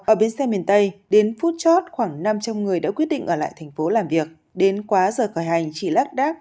ở biến xe miền tây đến phút chót khoảng năm trăm linh người đã quyết định ở lại thành phố làm việc